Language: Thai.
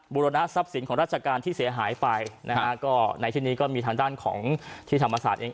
บุรณะทรัพย์สินของราชการที่เสียหายไปนะฮะก็ในที่นี้ก็มีทางด้านของที่ธรรมศาสตร์เอง